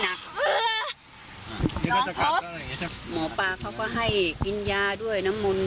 หมอปลาเขาก็ให้กินยาด้วยน้ำมนต์